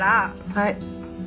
はい。